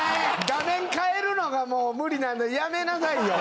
画面変えるのが無理なんだらやめなさいよ。